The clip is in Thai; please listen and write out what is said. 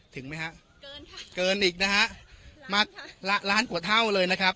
ถึงไหมฮะเกินค่ะเกินอีกนะฮะมาละล้านกว่าเท่าเลยนะครับ